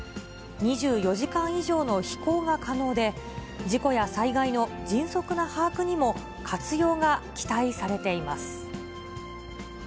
２４時間以上の飛行が可能で、事故や災害の迅速な把握にも、活用が期待されています。